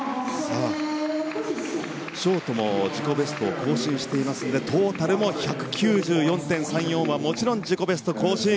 ショートも自己ベストを更新していますのでトータルの１９４．３４はもちろん、自己ベスト更新。